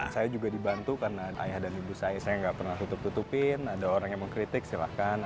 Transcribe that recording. saya juga dibantu karena ayah dan ibu saya saya nggak pernah tutup tutupin ada orang yang mengkritik silahkan